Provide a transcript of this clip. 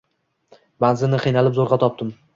Manzilni qiynalib zoʻrgʻa topdi.